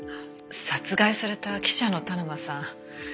殺害された記者の田沼さん